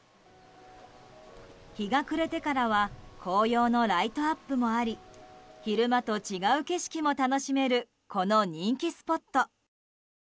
日が暮れてからは紅葉のライトアップもあり昼間と違う景色も楽しめるこの人気スポット。